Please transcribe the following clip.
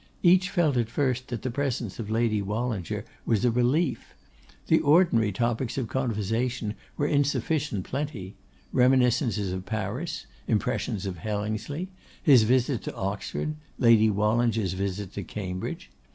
Each felt at first that the presence of Lady Wallinger was a relief. The ordinary topics of conversation were in sufficient plenty; reminiscences of Paris, impressions of Hellingsley, his visit to Oxford, Lady Wallinger's visit to Cambridge.